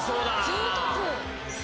ぜいたく！